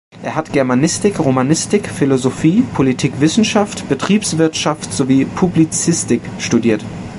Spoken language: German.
Er hat Germanistik, Romanistik, Philosophie, Politikwissenschaft, Betriebswirtschaft sowie Publizistik studiert.